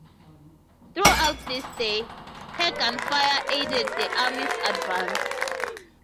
Throughout this day, her gunfire aided the Army's advance.